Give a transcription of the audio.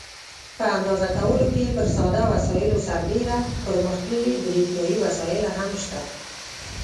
په اندازه کولو کې پر ساده وسایلو سربېره پرمختللي برېښنایي وسایل هم شته.